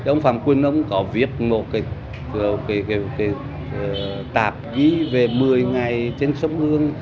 ông phạm quyên ông có viết một cái tạp ghi về một mươi ngày trên sông hương